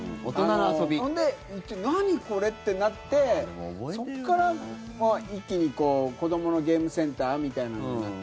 それで何これ？ってなってそこから一気に子どものゲームセンターみたいなのになって。